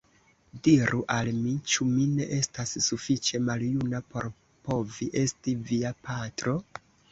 Diru al mi, ĉu mi ne estas sufiĉe maljuna, por povi esti via patro?